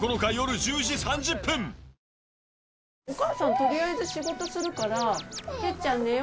とりあえず仕事するからてっちゃん寝よ。